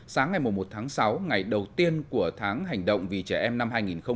sáng ngày một tháng sáu ngày đầu tiên của tháng hành động vì trẻ em năm hai nghìn một mươi chín